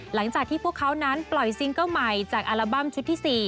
หลังจากที่พวกเขานั้นปล่อยซิงเกิ้ลใหม่จากอัลบั้มชุดที่๔